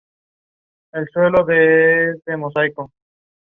Samuelson Productions.